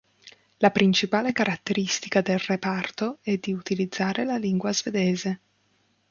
La principale caratteristica del reparto è di utilizzare la lingua svedese.